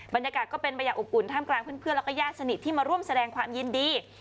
บรรยากาศก็เป็นไปอย่างอบอุ่นท่ามกลางเพื่อนแล้วก็ญาติสนิทที่มาร่วมแสดงความยินดี